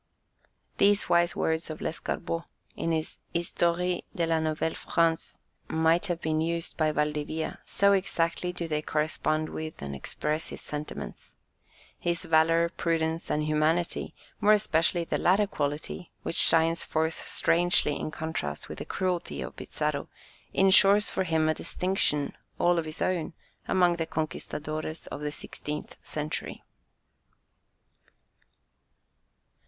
These wise words of Lescarbot, in his Histoire de la Nouvelle France, might have been used by Valdivia, so exactly do they correspond with and express his sentiments. His valour, prudence, and humanity, more especially the latter quality, which shines forth strangely in contrast with the cruelty of Pizarro, ensures for him a distinction all his own among the "conquistadores" of the sixteenth century.